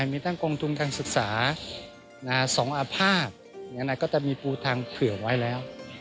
มีตั้งกรงทุนทางศึกษาสงอภาพก็จะมีปูทางเผื่อไว้แล้ว